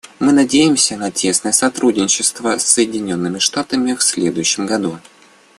Мы надеемся на тесное сотрудничество с Соединенными Штатами в следующем году.